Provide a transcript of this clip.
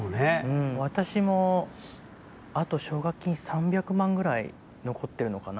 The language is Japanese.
私も、あと奨学金３００万ぐらい残ってるのかな。